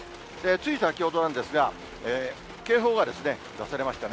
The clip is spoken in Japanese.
つい先ほどなんですが、警報が出されましたね。